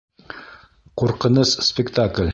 Ҡурҡыныс спектакль..